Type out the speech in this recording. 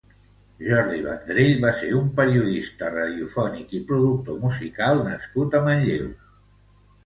Jordi Vendrell va ser un periodista radiofònic i productor musical nascut a Manlleu.